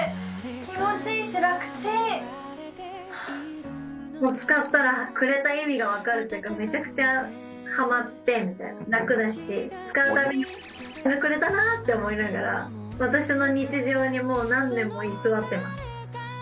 気持ちいいし、使ったら、くれた意味が分かるっていうか、めちゃくちゃはまってみたいな、楽だし、使うたびに×××さんがくれたなって、私の日常にもう何年も居座ってます。